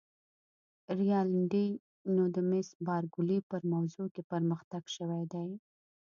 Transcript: رینالډي: نو د مس بارکلي په موضوع کې پرمختګ شوی دی؟